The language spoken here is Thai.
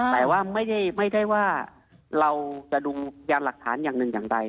แต่ว่าไม่ได้ว่าเราจะดุงยานหลักฐานอย่างหนึ่งอย่างใด